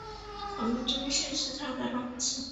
黄宗羲是他的老师。